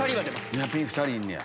ニアピン２人いんねや。